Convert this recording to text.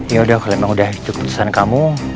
yaudah kalau emang udah itu keputusan kamu